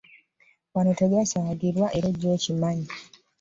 Wano tewasaagirwa era ojjanga okimanyi.